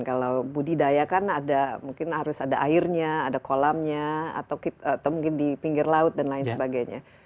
kalau budidaya kan ada mungkin harus ada airnya ada kolamnya atau mungkin di pinggir laut dan lain sebagainya